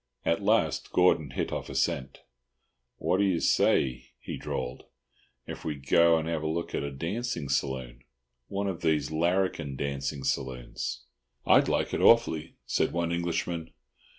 At last Gordon hit off a scent. "What do you say," he drawled, "if we go and have a look at a dancing saloon—one of these larrikin dancing saloons?" "I'd like it awfully," said one Englishman.